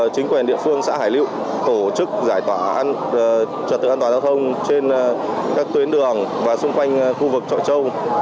chính quyền địa phương xã hải liệu tổ chức trả tự an toàn giao thông trên các tuyến đường và xung quanh khu vực chọi châu